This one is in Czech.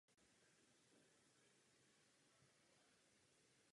Podle našeho názoru by neměly být ohroženy existující smlouvy.